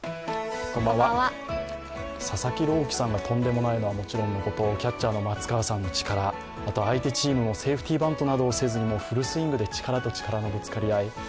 佐々木朗希さんがとんでもないのはもちろんのこと、キャッチャーの松川さんの力、相手チームもセーフティバントなどをせずにフルスイングで力と力のぶつかり合い。